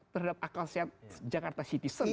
terhadap akal sehat jakarta citizen